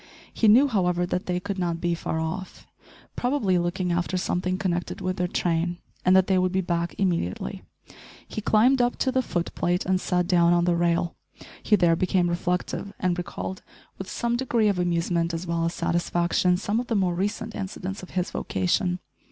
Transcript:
He knew, however, that they could not be far off probably looking after something connected with their train and that they would be back immediately; he climbed up to the foot plate and sat down on the rail. He there became reflective, and recalled, with some degree of amusement as well as satisfaction, some of the more recent incidents of his vocation.